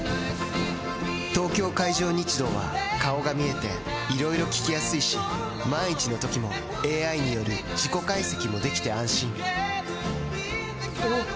東京海上日動は顔が見えていろいろ聞きやすいし万一のときもＡＩによる事故解析もできて安心おぉ！